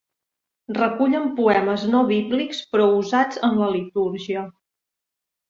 Recullen poemes no bíblics però usats en la litúrgia.